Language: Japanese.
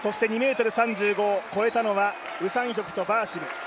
２ｍ３５を越えたのはウ・サンヒョクとバーシム。